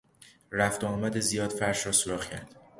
رفت و آمد زیاد فرش را سوراخ کرد.